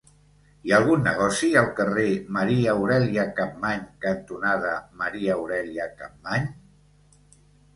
Hi ha algun negoci al carrer Maria Aurèlia Capmany cantonada Maria Aurèlia Capmany?